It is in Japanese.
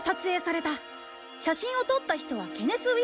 写真を撮った人はケネス・ウィルソン。